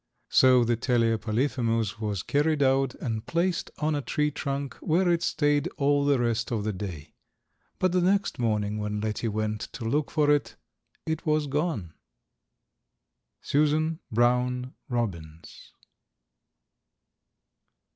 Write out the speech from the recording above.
So the Telea polyphemus was carried out and placed on a tree trunk where it stayed all the rest of the day. But the next morning when Letty went to look for it, it was gone. Susan Brown Robbins.